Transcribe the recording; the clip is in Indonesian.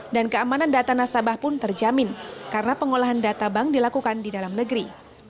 keamanan data nasabah pun terjamin karena pengolahan data bank dilakukan di dalam negeri